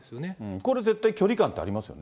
これ、絶対、距離感ってありますよね。